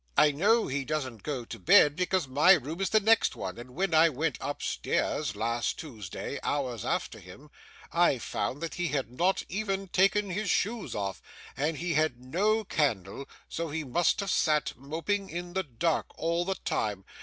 I know he doesn't go to bed, because my room is the next one, and when I went upstairs last Tuesday, hours after him, I found that he had not even taken his shoes off; and he had no candle, so he must have sat moping in the dark all the time.